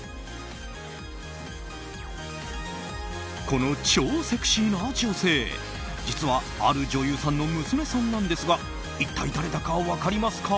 この超セクシーな女性実はある女優さんの娘さんなんですが一体誰だか分かりますか？